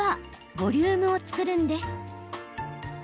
ボリュームを作るんです。